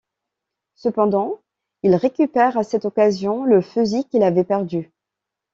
Cependant, il récupère à cette occasion le fusil qu'il avait perdu.